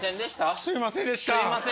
すいませんでした？